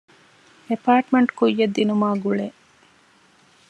އެޕާޓްމަންޓް ކުއްޔަށް ދިނުމާ ގުޅޭ